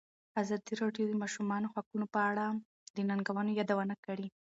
ازادي راډیو د د ماشومانو حقونه په اړه د ننګونو یادونه کړې.